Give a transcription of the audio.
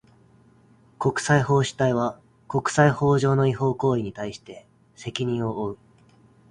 国際法主体は、国際法上の違法行為に対して責任を負う。